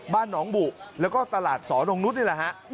บ้านหนองบุแล้วก็ตลาดสอนงนุษย์นี่แหละฮะ